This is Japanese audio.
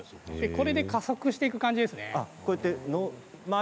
これで加速していく感じですね。